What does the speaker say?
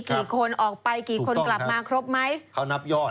กี่คนออกไปกี่คนกลับมาครบไหมเขานับยอด